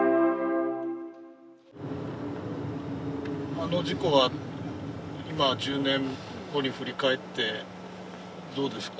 あの事故は今１０年後に振り返ってどうですか？